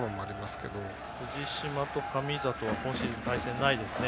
藤嶋と神里は今シーズンは対戦ないですね。